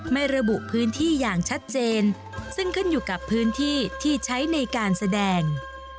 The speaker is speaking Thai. ไม่ระบุพื้นที่อย่างชัดเจนซึ่งขึ้นอยู่กับพื้นที่ที่ใช้ในการแสดง